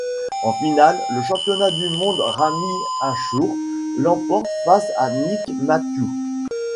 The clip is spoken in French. En finale, le champion du monde Ramy Ashour l'emporte face à Nick Matthew.